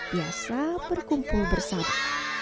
biasa berkumpul bersama